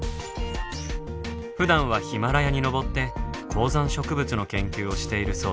ふだんはヒマラヤに登って高山植物の研究をしているそうです。